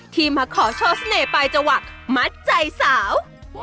ที่มาขอโชว์เสน่ห์ปลายจวักมัดใจสาว